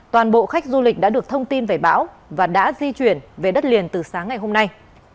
toàn bộ khách du lịch đã được thông tin về bão và đã di chuyển về đất liền từ sáng ngày hôm nay